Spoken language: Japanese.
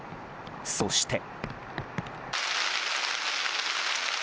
そして。